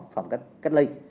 phòng cách ly